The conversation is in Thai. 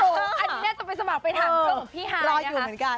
อันนี้แน่นจะไปสมัครไปห่างเครื่องของพี่ไฮ